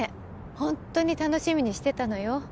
ホントに楽しみにしてたのよ